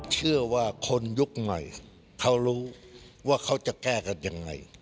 เชื่อว่าคนยุคใหม่เขารู้ว่าเขาจะแก้กันยังไง